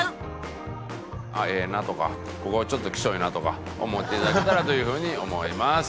「ええな」とか「ここちょっときしょいな」とか思っていただけたらという風に思います。